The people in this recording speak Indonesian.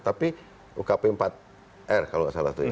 tapi ukp empat r kalau tidak salah